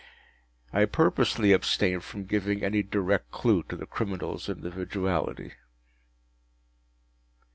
I purposely abstain from giving any direct clue to the criminal’s individuality.